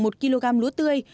một kg lúa tươi